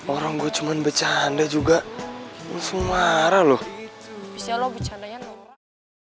orang gue cuman bercanda juga langsung marah loh bisa lo bercanda ya